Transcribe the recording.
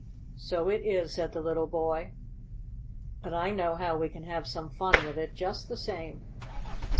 "So it is!" said the little boy. "But I know how we can have some fun with it, just the same!"